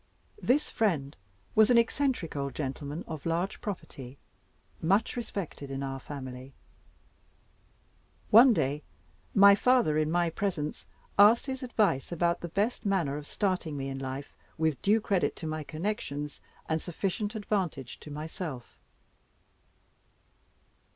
This friend was an eccentric old gentleman of large property, much respected in our family. One day, my father, in my presence, asked his advice about the best manner of starting me in life, with due credit to my connections and sufficient advantage to myself.